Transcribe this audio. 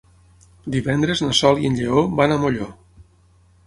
Divendres na Sol i en Lleó van a Molló.